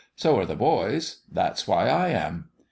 So are the boys. That's why I am."